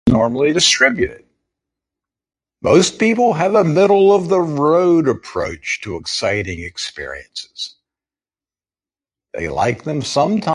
Fomentarmos, esmagadora, desalentados, déficit, moradias, gigantesco, desarmaram, cederam